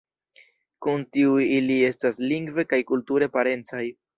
Kun tiuj ili estas lingve kaj kulture parencaj.